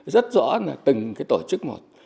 rất rõ là từng cái tổ chức một